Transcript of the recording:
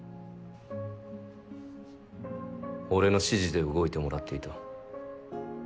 俺の指示で動いてもらっていた。